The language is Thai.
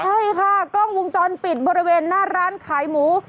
ใช่ค่ะกล้องวงจรปิดบริเวณหน้าร้านขายหมู